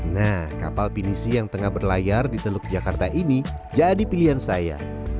nah kapal pinisi yang tengah berlayar di teluk jakarta ini jadi pilihan saya